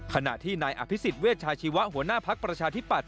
ขณะที่นายอภิษฎเวชาชีวะหัวหน้าภักดิ์ประชาธิปัตย